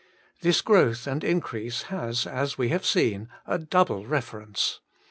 This growth and increase has, as we have seen, a double reference.